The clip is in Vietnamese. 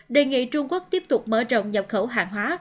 đề nghị trung quốc tiếp tục mở rộng nhập khẩu hàng hóa